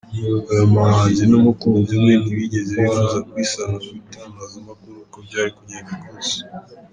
Uyu muhanzi n’umukunzi we, ntibigeze bifuza kwisanga mu itangazamakuru uko byari kugenda kose.